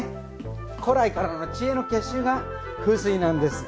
古来からの知恵の結集が風水なんです。